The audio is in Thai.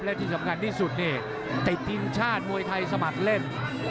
และที่สำคัญที่สุดนี่ติดทีมชาติมวยไทยสมัครเล่น